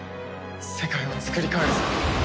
世界をつくり変えるぞ。